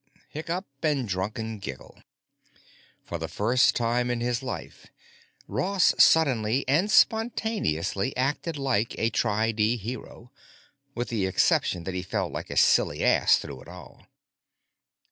Hiccup and drunken giggle. For the first time in his life Ross suddenly and spontaneously acted like a tri di hero, with the exception that he felt like a silly ass through it all.